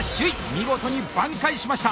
見事に挽回しました！